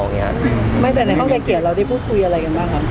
ไม่แต่ในห้องไกลเกลียดเราได้พูดคุยอะไรกันบ้างครับ